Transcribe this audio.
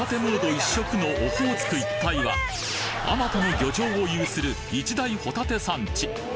一色のオホーツク一帯は数多の漁場を有する一大ホタテ産地